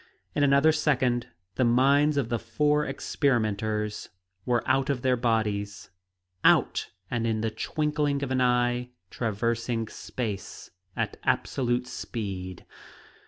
In another second the minds of the four experimenters were out of their bodies; out, and in the twinkling of an eye, traversing space at absolute speed.